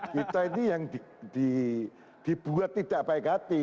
kita ini yang dibuat tidak baik hati